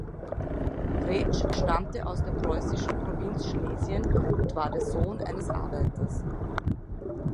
Rätsch stammte aus der preußischen Provinz Schlesien und war der Sohn eines Arbeiters.